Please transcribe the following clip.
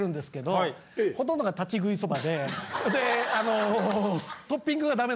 であの。